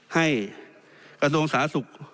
กระทรวงสาธารณสุข